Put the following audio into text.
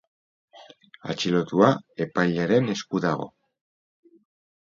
Atxilotua epailearen esku dago.